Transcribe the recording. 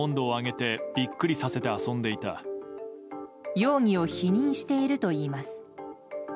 容疑を否認しているといいます。